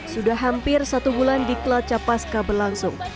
sudah hampir satu bulan di klot capaska berlangsung